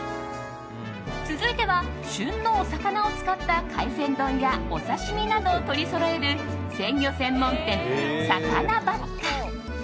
続いては旬のお魚を使った海鮮丼やお刺し身などを取りそろえる鮮魚専門店、サカナバッカ。